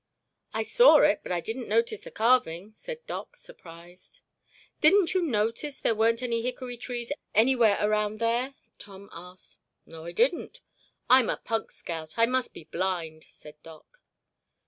"I saw it but I didn't notice the carving," said Doc, surprised. "Didn't you notice there weren't any hickory trees anywhere around there?" Tom asked. "No, I didn't—I'm a punk scout—I must be blind," said Doc.